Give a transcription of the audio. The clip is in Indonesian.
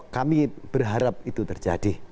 kami berharap itu terjadi